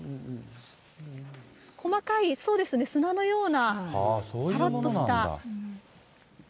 細かい、そうですね、砂のような、さらっとした。